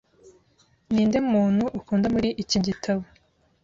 Ninde muntu ukunda muri iki gitabo?